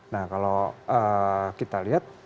nah kalau kita lihat